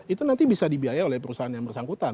itu nanti bisa dibiaya oleh perusahaan yang bersangkutan